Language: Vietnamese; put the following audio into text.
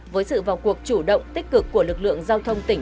với sự vào cuộc chủ động tích cực của lực lượng giao thông tỉnh